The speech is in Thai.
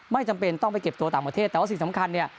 ไม่จำเป็นต้องไปเก็บตัวต่างประเทศแต่ว่าสิ่งสำคัญเนี่ย